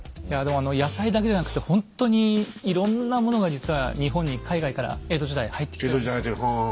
いやでも野菜だけじゃなくてほんとにいろんなものが実は日本に海外から江戸時代入ってきてたんですよ。